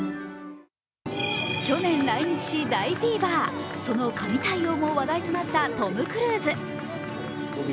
去年来日し、大フィーバー、神対応も話題となったトム・クルーズ。